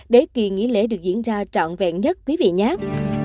để kỳ nghỉ lễ được diễn ra trọn vẹn nhất